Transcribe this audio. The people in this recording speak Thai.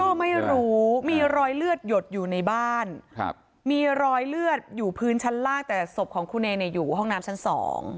ก็ไม่รู้มีรอยเลือดหยดอยู่ในบ้านมีรอยเลือดอยู่พื้นชั้นล่างแต่ศพของครูเนเนี่ยอยู่ห้องน้ำชั้น๒